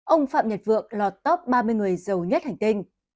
ông phạm nhật vượng lọt top ba mươi người giàu nhất hành tinh